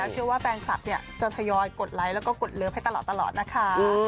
เชื่อว่าแฟนคลับจะทยอกดไลค์แล้วก็กดเลิฟให้ตลอดนะคะ